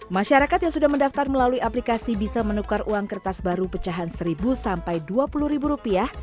masyarakat yang sudah mendaftar melalui aplikasi bisa menukar uang kertas baru pecahan seribu sampai dua puluh ribu rupiah